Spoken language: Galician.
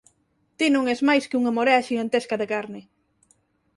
Ti non es máis que unha morea xigantesca de carne.